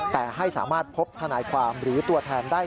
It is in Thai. แต่ให้สามารถพบทนายความหรือตัวแทนได้